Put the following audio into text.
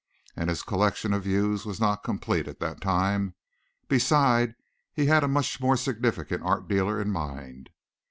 And his collection of views was not complete at that time. Besides he had a much more significant art dealer in mind.